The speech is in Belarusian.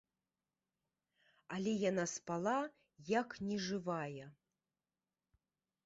Але яна спала, як нежывая.